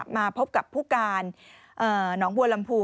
มาพบกับผู้การหนองบัวลำพู